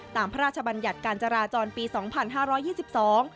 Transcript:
ตามพระราชบัญญัติการจราจรปี๒๕๒๓น